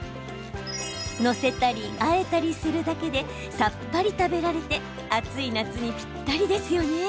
載せたり、あえたりするだけでさっぱり食べられて暑い夏にぴったりですよね。